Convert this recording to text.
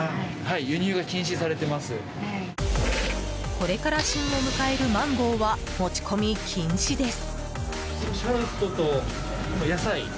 これから旬を迎えるマンゴーは持ち込み禁止です。